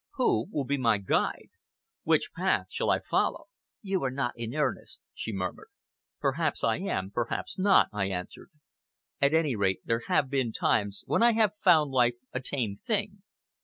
Who will be my guide? Which path shall I follow?" "You are not in earnest," she murmured. "Perhaps I am, perhaps not," I answered. "At any rate, there have been times when I have found life a tame thing.